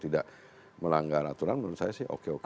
tidak melanggar aturan menurut saya sih oke oke